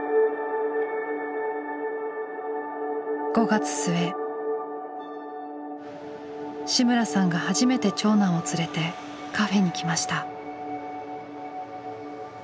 ５月末志村さんが初めて長男を連れてカフェに来ました。